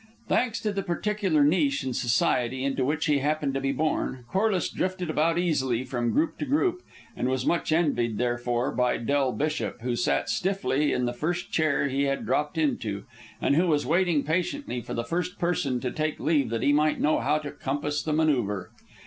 Thanks to the particular niche in society into which he happened to be born, Corliss drifted about easily from group to group, and was much envied therefore by Del Bishop, who sat stiffly in the first chair he had dropped into, and who was waiting patiently for the first person to take leave that he might know how to compass the manoeuvre.